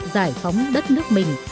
giải phóng đất nước mình